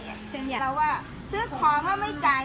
เราก็ซื้อของแล้วไม่จ่าย